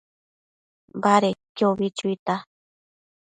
Badedquio ubi chuita